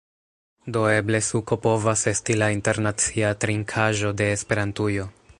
Do, eble suko povas esti la internacia trinkaĵo de Esperantujo